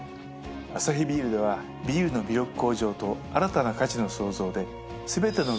アサヒビールではビールの魅力向上と新たな価値の創造で。